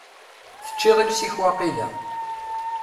Teĉĉiḍ iles-ik waqila?